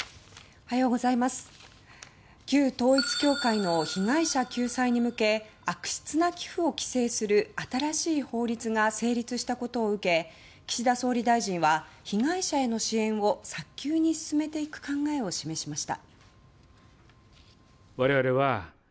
旧統一教会の被害者救済に向け悪質な寄付を規制する新しい法律が成立したことを受け岸田総理大臣は被害者への支援を、早急に進めていく考えを示しました。